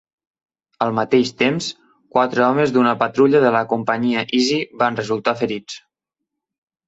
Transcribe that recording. Al mateix temps, quatre homes d'una patrulla de la companyia Easy van resultar ferits.